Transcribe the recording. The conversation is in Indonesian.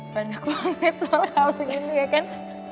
banyak banget soal kaos ini ya kan